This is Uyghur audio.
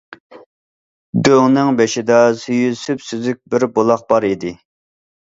دۆڭنىڭ بېشىدا سۈيى سۈپسۈزۈك بىر بۇلاق بار ئىدى.